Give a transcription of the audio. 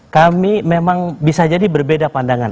kami memang bisa jadi berbeda pandangan